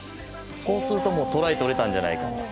そうすると、トライを取れたんじゃないかと。